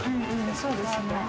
そうですね。